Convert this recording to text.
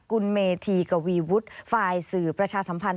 คุณเมธีกวีวุฒิฝ่ายสื่อประชาสัมพันธ์